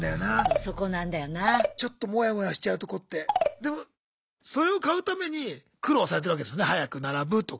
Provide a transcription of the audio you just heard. でもそれを買うために苦労されてるわけですよね早く並ぶとか。